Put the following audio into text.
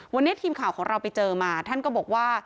วันนี้ทีมข่าวของเราไปเจอมาท่านก็บอกว่า